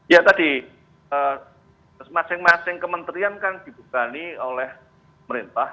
ya tadi masing masing kementerian kan dibukani oleh merintah